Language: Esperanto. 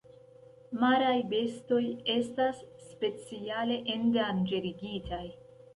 Maraj bestoj estas speciale endanĝerigitaj.